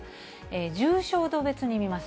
重症度別に見ます。